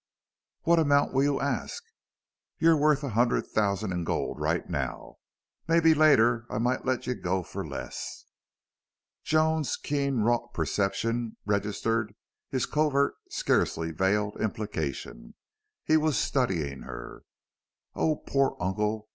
"What amount will you ask?" "You're worth a hundred thousand in gold right now... Maybe later I might let you go for less." Joan's keen wrought perception registered his covert, scarcely veiled implication. He was studying her. "Oh, poor uncle.